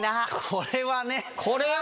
これはね。